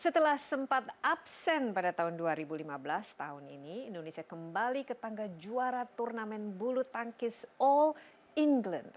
setelah sempat absen pada tahun dua ribu lima belas tahun ini indonesia kembali ke tangga juara turnamen bulu tangkis all england